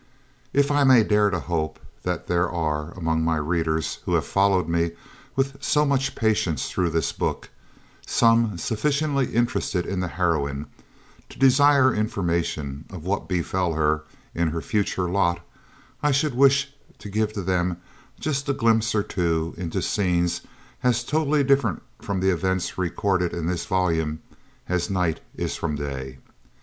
If I may dare to hope that there are, among my readers who have followed me with so much patience through this book, some sufficiently interested in the heroine to desire information on what befell her in her future lot, I should wish to give to them just a glimpse or two into scenes as totally different from the events recorded in this volume as night is from day.